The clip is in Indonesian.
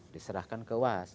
diserahkan ke was